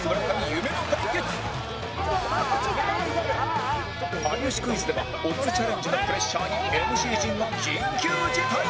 『有吉クイズ』ではオッズチャレンジのプレッシャーに ＭＣ 陣が緊急事態！